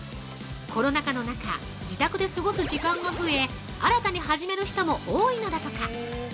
コロナ禍の中、自宅で過ごす時間が増え新たに始める人も多いのだとか。